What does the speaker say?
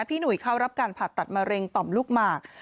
หนุ่ยเข้ารับการผ่าตัดมะเร็งต่อมลูกหมาก